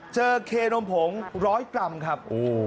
เจอเคนมผงร้อยกรัมครับ